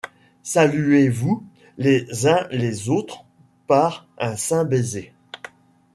Saluez-vous les uns les autres par un saint baiser.